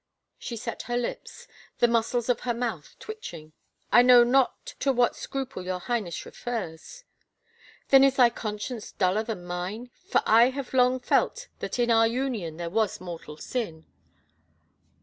She set her lips, the muscles of her mouth twitching. " I know not to what scruple your Highness refers." " Then is thy conscience duller than mine, for I have long felt that in our union there was mortal sin."